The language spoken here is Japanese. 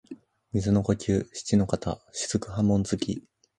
水の呼吸漆ノ型雫波紋突き（しちのかたしずくはもんづき）